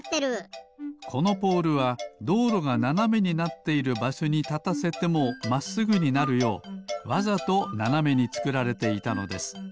このポールはどうろがななめになっているばしょにたたせてもまっすぐになるようわざとななめにつくられていたのです。